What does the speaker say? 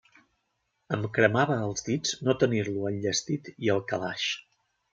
Em cremava als dits no tenir-lo enllestit i al calaix.